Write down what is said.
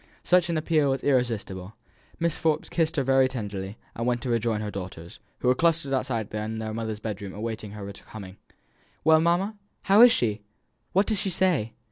Such an appeal was irresistible. Mrs. Forbes kissed her very tenderly, and went to rejoin her daughters, who were clustered together in their mother's bedroom awaiting her coming. "Well, mamma, how is she? What does she say?"